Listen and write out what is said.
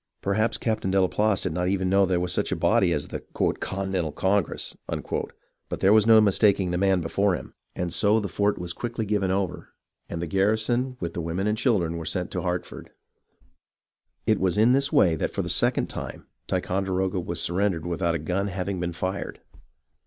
Perhaps Captain Delaplace did not even know there was such a body as the " Continental Congress," but there was no mistaking the man before him, and so the fort was quickly given over, and the garrison with the women and children were sent to Hartford. 56 HISTORY OF THE AMERICAN REVOLUTION It was in this way that for the second time Ticonderoga was surrendered without a gun having been fired.